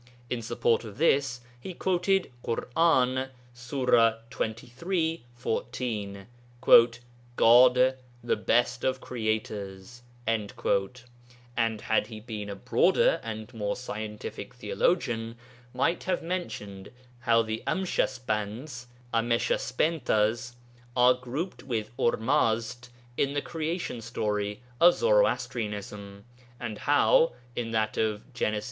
In support of this he quoted Ḳur'an, Sur. xxiii. 14, 'God the best of Creators,' and, had he been a broader and more scientific theologian, might have mentioned how the Amshaspands (Ameshaspentas) are grouped with Ormazd in the creation story of Zoroastrianism, and how, in that of Gen. i.